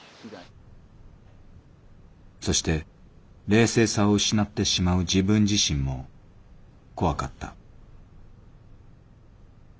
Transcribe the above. そして冷静さを失ってしまう自分自身も怖かった」。